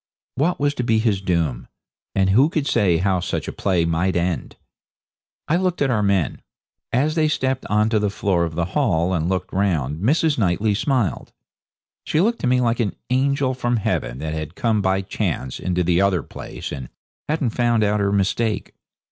What was to be his doom? And who could say how such a play might end? I looked at our men. As they stepped on to the floor of the hall and looked round Mrs. Knightley smiled. She looked to me like an angel from heaven that had come by chance into the other place and hadn't found out her mistake.